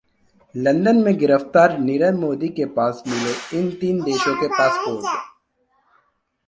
London में गिरफ्तार नीरव मोदी के पास मिले इन तीन देशों के पासपोर्ट